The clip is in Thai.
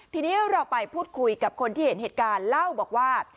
ทีนี้เราไปพูดคุยกับคนที่เห็นเหตุการณ์เล่าบอกว่า